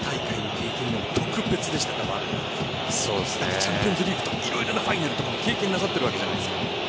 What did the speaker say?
チャンピオンズリーグとか色々なファイナルとか経験なさっているわけじゃないですか。